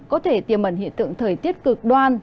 có thể tiềm mẩn hiện tượng thời tiết cực đoan